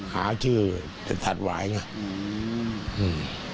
หาชื่อแต่ถัดหวายไง